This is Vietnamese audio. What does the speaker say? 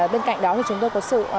bên cạnh đó thì chúng tôi có sự